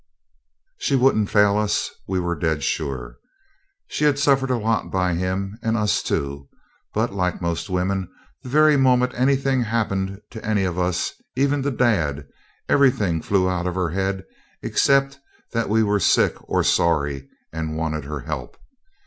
She wouldn't fail us, we were dead sure. She had suffered a lot by him and us too; but, like most women, the very moment anything happened to any of us, even to dad, everything flew out of her head, except that we were sick or sorry and wanted her help.